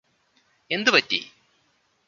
എന്തുപറ്റി